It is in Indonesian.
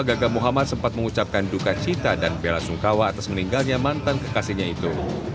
gagah muhammad sempat mengucapkan duka cita dan bela sungkawa atas meninggalnya mantan kekasihnya itu